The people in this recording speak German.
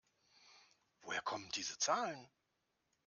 Woher kommen diese Zahlen?